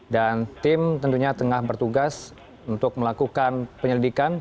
dan tim tentunya tengah bertugas untuk melakukan penyelidikan